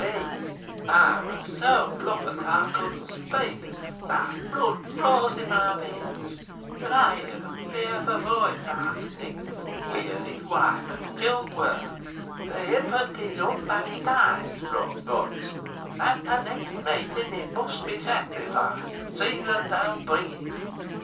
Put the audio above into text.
Ey wur so glopp'nt, ey couldna speak, an' meh blud fruz i' meh veins, when ey heerd a fearfo voice ask Nick wheere his woife an' chilt were. 'The infant is unbaptised,' roart t' voice, 'at the next meeting it must be sacrificed. See that thou bring it.'